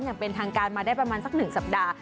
อย่างเป็นทางการมาได้ประมาณสัก๑สัปดาห์